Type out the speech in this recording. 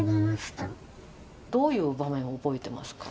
どういう場面を覚えてますか？